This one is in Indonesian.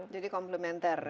jadi komplementer ya